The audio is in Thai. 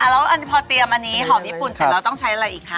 แล้วพอเตรียมอันนี้หอมญี่ปุ่นเสร็จแล้วต้องใช้อะไรอีกคะ